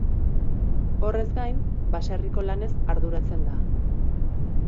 Horrez gain, baserriko lanez arduratzen da.